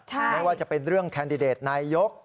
ไม่ว่าจะเป็นเรื่องแคนดิเดตนายก